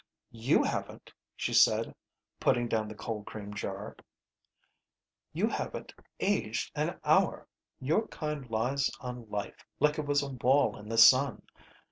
"You haven't," she said, putting down the cold cream jar. "You haven't aged an hour. Your kind lies on life like it was a wall in the sun.